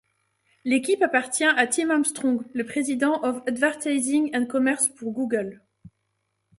L'équipe appartient à Tim Armstrong, le President of Advertising and Commerce pour Google.